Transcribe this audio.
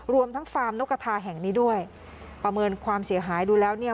รวมทั้งฟาร์มนกกระทาแห่งนี้ด้วยประเมินความเสียหายดูแล้วเนี่ย